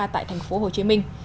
tại thành phố hồ chí minh